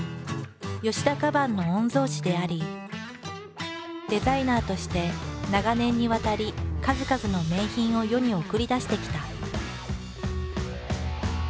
田カバンの御曹子でありデザイナーとして長年にわたり数々の名品を世に送り出してきた。